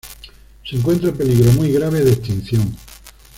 Se encuentra en peligro muy grave de extinción.